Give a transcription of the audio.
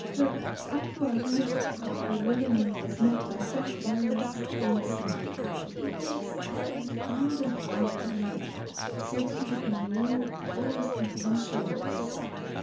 Her upward look of bewilderment was met by Frank Wiley's faint smile. "He takes after the founder of our family," said he in a low, almost confidential voice.